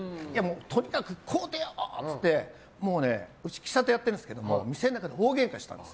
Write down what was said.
とにかく買ってよって言ってうち喫茶店やってるんですけど店の中で大げんかしたんです。